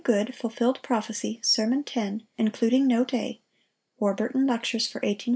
Goode, "Fulfilled Prophecy," sermon 10, including Note A (Warburton Lectures for 1854 1858); A.